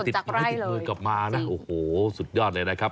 ไม้ติดมือกลับมานะโอ้โหสุดยอดเลยนะครับ